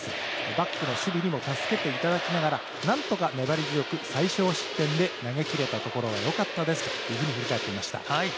バックの守備にも助けていただきながらなんとか逃れ切れて最少失点で投げ切れたところがよかったですというふうに振り返っていました。